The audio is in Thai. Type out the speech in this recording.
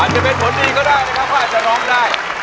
จะเป็นผลดีก็ได้นะครับเขาอาจจะร้องได้